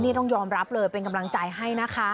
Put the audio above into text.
นี่ต้องยอมรับเลยเป็นกำลังใจให้นะคะ